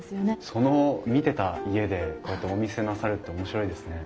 その見てた家でこうやってお店なさるって面白いですね。